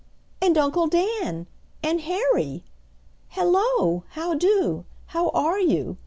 "And Uncle Dan!" "And Harry!" "Hello! How do? How are you?